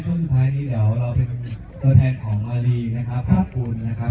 สุดท้ายนี้เดี๋ยวเราเป็นตัวแทนของอารีนะครับขอบคุณนะครับ